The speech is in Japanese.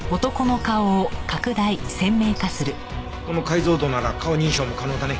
この解像度なら顔認証も可能だね。